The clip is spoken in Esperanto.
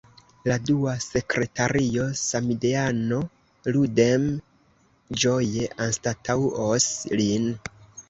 La dua sekretario, samideano Ludem ĝoje anstataŭos lin.